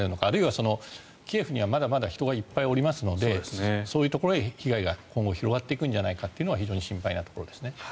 あるいはキエフにはまだまだ人がいっぱいおりますのでそういうところへ被害が今後広がっていくんじゃないかというのは非常に心配なところです。